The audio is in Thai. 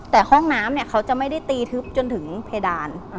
แต่ห้องน้ำเนี่ยเขาจะไม่ได้ตีทึบจนถึงเพดาน